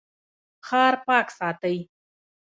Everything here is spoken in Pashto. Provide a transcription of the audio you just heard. ښار پاک ساتئ